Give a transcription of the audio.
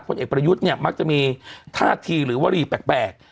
เอกประยุทธ์เนี่ยมักจะมีท่าทีหรือวรีแปลก